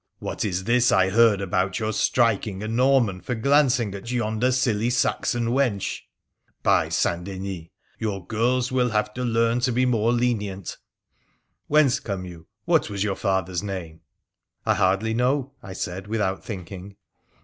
' What is this I heard about your striking a Noiman for glancing at yonder silly Saxon wench ? By St. Denis ! your girls will have to learn to be more lenient I Whence come you ? What was your father's name ?'' I hardly know,' I said, without thinking.